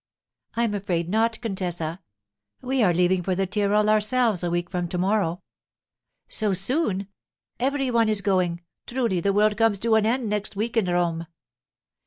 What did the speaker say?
'I'm afraid not, contessa. We are leaving for the Tyrol ourselves a week from to morrow.' 'So soon! Every one is going. Truly, the world comes to an end next week in Rome.